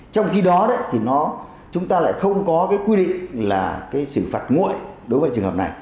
trong khi đó thì chúng ta lại không có cái quy định là cái xử phạt nguội đối với trường hợp này